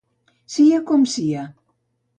Sia com sia.